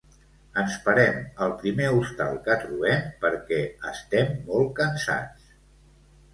Ens parem al primer hostal que trobem perquè estem molt cansats.